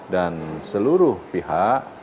dan seluruh pihak